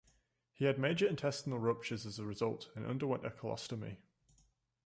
He had major intestinal ruptures as a result, and underwent a colostomy.